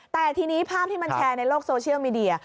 แต่ทีนี้ภาพที่มันแชร์ในโลกโซเชียลมีเดีย